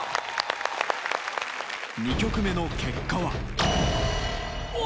２曲目の結果はお！